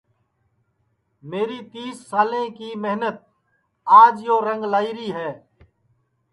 میری تیس سالیں کی محنت آج یو رنگ لائی ری ہے